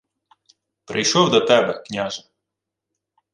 — Прийшов до тебе, княже.